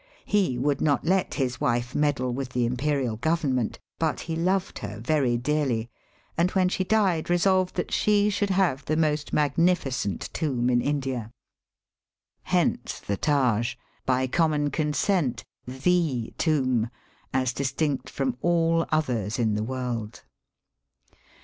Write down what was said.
He would not let his wife meddle with the Imperial government ; but he loved her very dearly, and when she died resolved that she should h'ave the most magnificent tomb in India. Hence the Taj, by common consent The tomb as distinct from all others in the world.